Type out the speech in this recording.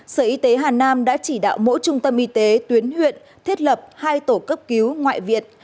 sở y tế hà nam đã chỉ đạo mỗi trung tâm y tế tuyến huyện thiết lập hai tổ cấp cứu ngoại viện